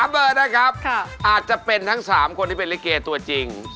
เบอร์นะครับอาจจะเป็นทั้ง๓คนที่เป็นลิเกตัวจริง